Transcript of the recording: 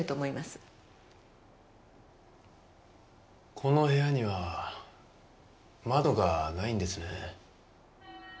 この部屋には窓がないんですね。